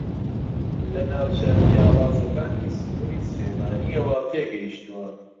لە ناوچە جیاوازەکانی سنووری سلێمانییەوە پێگەیشتووە